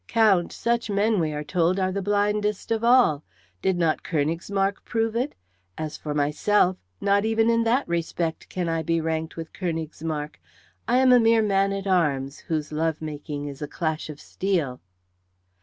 "Count, such men, we are told, are the blindest of all. Did not Königsmarck prove it? As for myself, not even in that respect can I be ranked with Königsmarck. I am a mere man at arms, whose love making is a clash of steel."